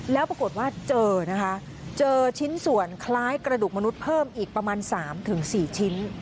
แล้วปรากฏว่าเจอนะคะเจอชิ้นส่วนคล้ายกระดูกมนุษย์เพิ่มอีกประมาณ๓๔ชิ้น